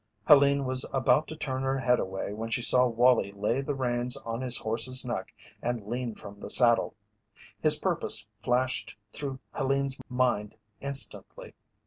Helene was about to turn her head away when she saw Wallie lay the reins on his horse's neck and lean from the saddle. His purpose flashed through Helene's mind instantly.